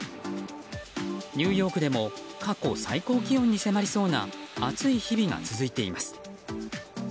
ニューヨークでも過去最高気温に迫りそうな暑い日々が続いています。